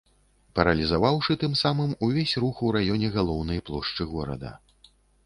Паралізаваўшы тым самым увесь рух у раёне галоўнай плошчы горада.